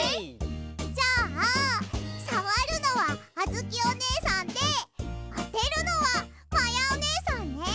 じゃあさわるのはあづきおねえさんであてるのはまやおねえさんね！